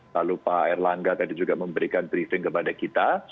lalu pak erlangga tadi juga memberikan briefing kepada kita